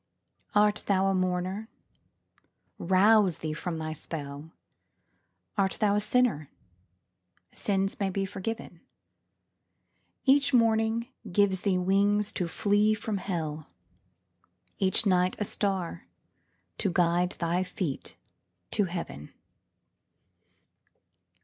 Art thou a mourner? Rouse thee from thy spell ; Art thou a sinner? Sins may be forgiven ; Each morning gives thee wings to flee from hell, Each night a star to guide thy feet to heaven.